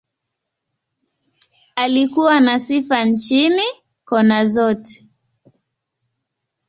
Alikuwa na sifa nchini, kona zote.